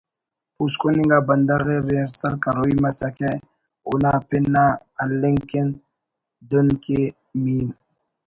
پوسکن انگا بندغ ءِ ریہرسل کروئی مسکہ او ناپن نا ہلنگ کن دن کہ میم